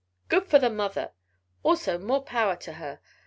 "Good for the mother! Also more power to her.